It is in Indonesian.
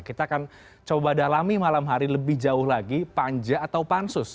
kita akan coba dalami malam hari lebih jauh lagi panja atau pansus